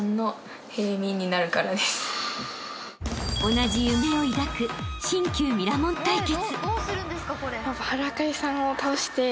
［同じ夢を抱く新旧ミラモン対決］